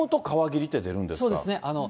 そうですね。